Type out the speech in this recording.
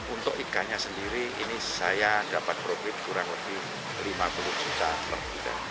untuk ikannya sendiri ini saya dapat profit kurang lebih lima puluh juta per bulan